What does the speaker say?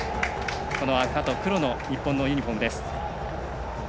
この赤と黒の日本のユニフォーム。